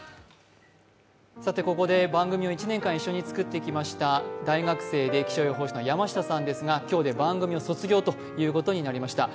ここで番組を１年間ずっと作ってきました山下さんですが今日で番組を卒業ということになりました。